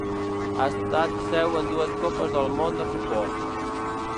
Ha estat seu en dues Copes del Món de futbol.